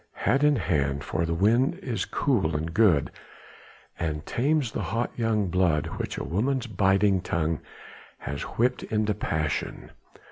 Hat in hand, for the wind is cool and good, and tames the hot young blood which a woman's biting tongue has whipped into passion.